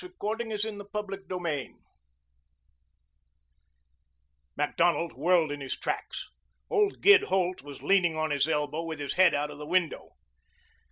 CHAPTER XXX HOLT FREES HIS MIND Macdonald whirled in his tracks. Old Gid Holt was leaning on his elbow with his head out of the window.